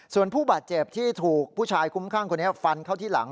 ส่วนผู้บาดเจ็บที่ถูกผู้ชายคุ้มข้างคนนี้ฟันเข้าที่หลัง